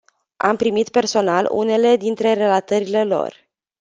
Am primit personal unele dintre relatările lor.